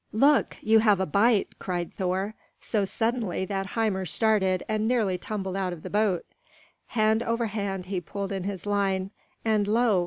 "Look! You have a bite!" cried Thor, so suddenly that Hymir started and nearly tumbled out of the boat. Hand over hand he pulled in his line, and lo!